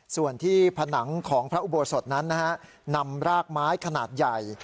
ส่วนที่ผนังของพระอุโบสถนั้นนะฮะนำรากไม้ขนาดใหญ่